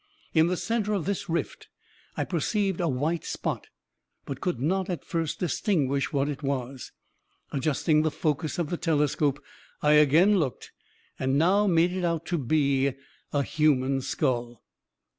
In the centre of this rift I perceived a white spot, but could not, at first, distinguish what it was. Adjusting the focus of the telescope, I again looked, and now made it out to be a human skull.